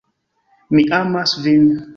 Mi amas vin